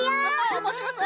おもしろそう！